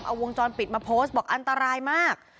เอาวงจรปิดมาโพสต์บอกอันตรายมาก